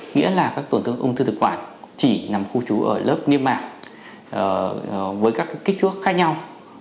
nghĩa là các tổn thương ung thư thực quản chỉ nằm khu trú ở lớp niêm mạc với các kích thuốc khác nhau